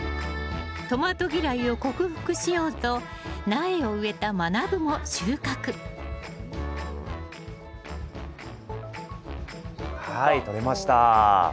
トマト嫌いを克服しようと苗を植えたまなぶも収穫はいとれました。